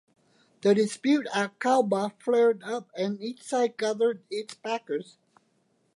The dispute at Kalba flared up and each side gathered its backers.